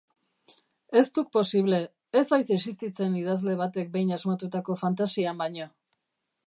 Ez duk posible, ez haiz existitzen idazle batek behin asmatutako fantasian baino.